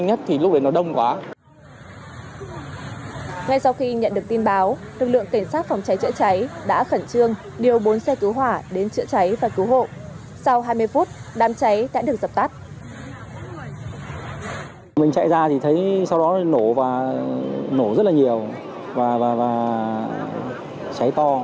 ngay sau khi nhận được tin báo lực lượng cảnh sát phòng cháy chữa cháy đã khẩn trương đưa bốn xe cứu hỏa đến chữa cháy và cứu hộ sau hai mươi phút đám cháy đã được dập tắt